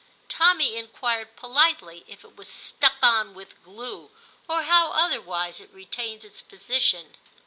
Tommy inquired politely if it was stuck on with glue, or how otherwise it retained its position.